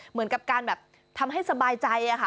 เหมือนกับการแบบทำให้สบายใจค่ะ